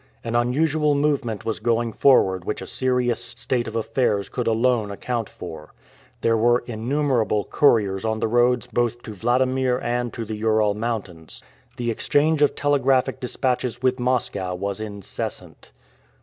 An unusual movement was going forward which a serious state of affairs could alone account for. There were innumerable couriers on the roads both to Wladimir and to the Ural Mountains. The exchange of telegraphic dispatches with Moscow was incessant.